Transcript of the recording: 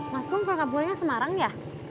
mas gur ke kampungnya semarang ya